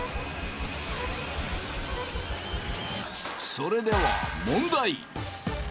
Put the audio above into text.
それでは問題